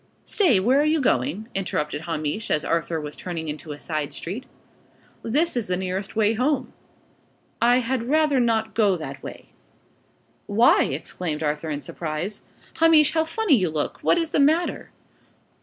"Stay! Where are you going?" interrupted Hamish, as Arthur was turning into a side street. "This is the nearest way home." "I had rather not go that way." "Why?" exclaimed Arthur, in surprise. "Hamish, how funny you look! What is the matter?"